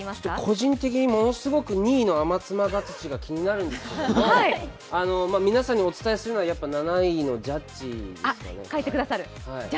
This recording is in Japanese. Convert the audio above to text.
個人的にものすごく２位のアマツマガツチが気になるんですけど皆さんにお伝えするのは、やっぱり７位のジャッジ。